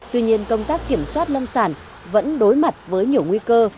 tuy nhiên công tác kiểm soát lâm sản vẫn đối mặt với nhiều nguy cơ